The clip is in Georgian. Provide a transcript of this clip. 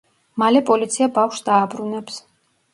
მალე პოლიცია ბავშვს დააბრუნებს.